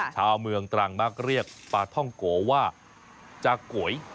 ชาวเมืองตรังมักเรียกปลาท่องโกว่าจากก๋วย